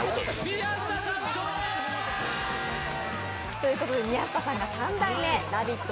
ということで宮下さんが三代目ラヴィット！